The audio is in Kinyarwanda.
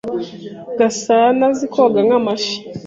Gasanaazi koga nk'amafi.